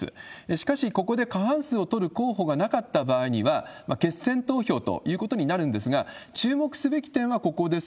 しかし、ここで過半数を取る候補がなかった場合には、決選投票ということになるんですが、注目すべき点はここです。